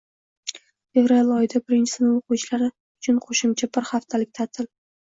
✔️Fevral oyida birinchi sinf o'quvchilari uchun qo'shimcha bir haftalik ta'til